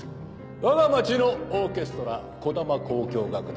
わが町のオーケストラ児玉交響楽団